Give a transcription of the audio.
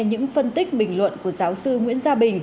những phân tích bình luận của giáo sư nguyễn gia bình